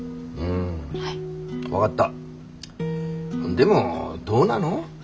んでもどうなの？